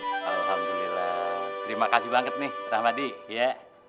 alhamdulillah terima kasih banget nih rahmadi ya